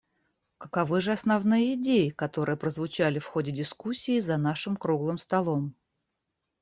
Каковы же основные идеи, которые прозвучали в ходе дискуссии за нашим «круглым столом»?